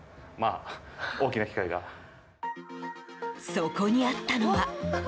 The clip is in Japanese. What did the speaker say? そこにあったのは。